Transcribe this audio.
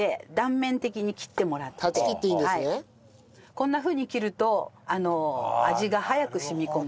こんなふうに切ると味が早く染み込む。